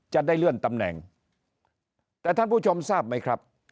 จะได้เลื่อนตำแหน่งแต่ท่านผู้ชมทราบไหมครับ